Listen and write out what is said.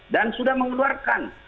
dan sudah mengeluarkan